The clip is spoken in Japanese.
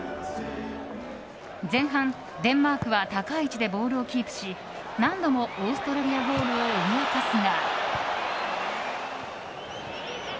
前半、デンマークは高い位置でボールをキープし何度もオーストラリアゴールを脅かすが。